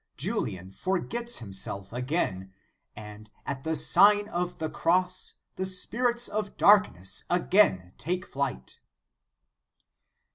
Julian forgets himself again, and at the Sign of the Cross the spirits of darkness again take flight.